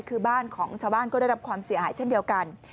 คือบ้านของชาวบ้านก็ได้รับความเสียหายเช่นเดียวกัน